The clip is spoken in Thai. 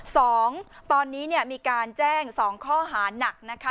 สองตอนนี้เนี่ยมีการแจ้งสองข้อหานักนะคะ